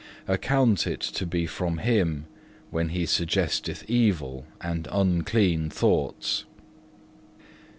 Account it to be from him, when he suggesteth evil and unclean thoughts.